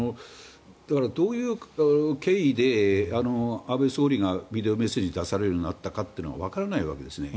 どういう経緯で安倍元総理がビデオメッセージを出されるようになったかというのはわからないわけですね